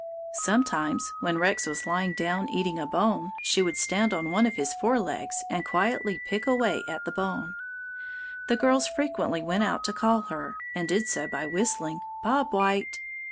Sometimes, when Rex was lying down eating a bone, she would stand on one of his fore legs and quietly pick away at the bone. "The girls frequently went out to call her, and did so by whistling 'Bob White.'